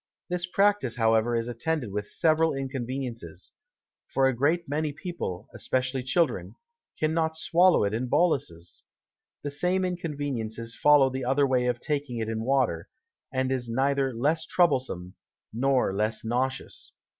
This Practice however is attended with several Inconveniences; for a great many People, especially Children, cannot swallow it in Bolus's. The same Inconveniences follow the other Way of taking it in Water, and is neither less troublesome, nor less nauseous.